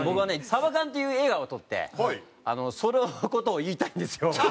『サバカンＳＡＢＡＫＡＮ』っていう映画を撮ってその事を言いたいんですよ。